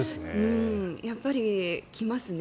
やっぱり来ますね。